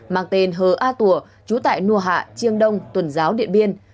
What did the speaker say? mang tên hờ a tùa chú tại nua hạ chiêng đông tuần giáo điện biên